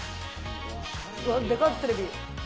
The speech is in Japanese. うわでかっテレビ。